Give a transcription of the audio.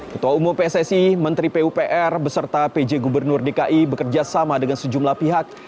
ketua umum pssi menteri pupr beserta pj gubernur dki bekerja sama dengan sejumlah pihak